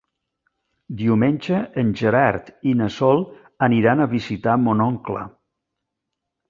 Diumenge en Gerard i na Sol aniran a visitar mon oncle.